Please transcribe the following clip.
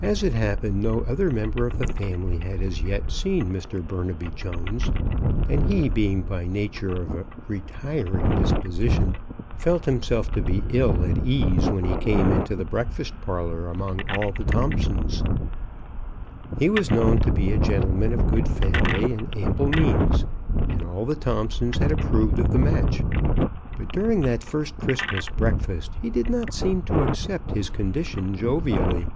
As it happened, no other member of the family had as yet seen Mr, Burnaby Jones, and he, being by nature of a ^^ CHRISTMAS AT THOMPSON HALL. retiring disposition, felt himself to be ill at ease when he came into the breakfast parlor among all the Thompsons. He was known to be a gentleman of good family and ample means, and all the Thompsons had approved of the match ; but during that first Christmas break fast he did not seem to accept his condition jovially.